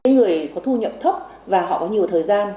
những người có thu nhậm thấp có nhiều thời gian